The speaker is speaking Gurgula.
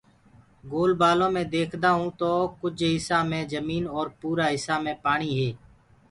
گول بآلو مي ديکدآئونٚ تو ڪجھ هِسآ مي جميٚني اور پورآ هِسآ مي پآڻيٚ هي